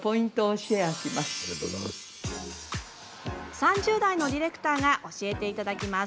３０代のディレクターが教えていただきます。